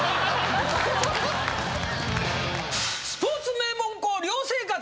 スポーツ名門校寮生活